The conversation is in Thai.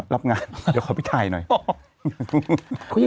รับงานเดี๋ยวขอพี่ไข่หน่อย